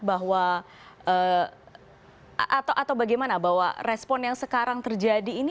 bahwa atau bagaimana bahwa respon yang sekarang terjadi ini